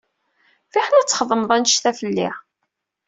Fiḥal ad txedmeḍ anect-a feli